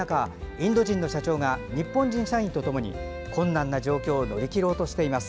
インド人の社長が日本人社員とともに困難な状況を乗り切ろうとしています。